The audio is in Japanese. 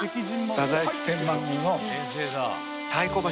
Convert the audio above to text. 太宰府天満宮の太鼓橋。